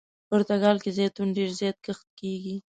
پرتګال کې زیتون ډېر زیات کښت کیږي.